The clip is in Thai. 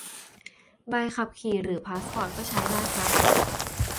ใบขับขี่ หรือพาสปอร์ต ก็ใช้ได้ครับ